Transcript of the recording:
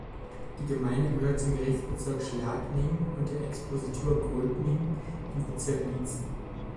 Die Gemeinde gehört zum Gerichtsbezirk Schladming und der Expositur Gröbming im Bezirk Liezen.